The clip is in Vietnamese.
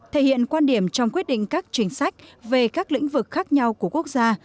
thể hiện quan điểm trong quyết định các chính sách về các lĩnh vực khác nhau của quốc gia